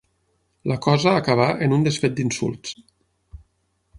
La cosa acabà en un desfet d'insults.